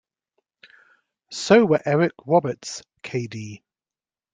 So were Eric Roberts, k.d.